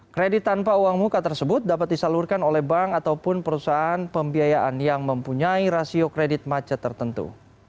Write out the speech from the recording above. kredit tanpa uang muka tersebut dapat disalurkan oleh bank ataupun perusahaan pembiayaan yang mempunyai rasio kredit macet tertentu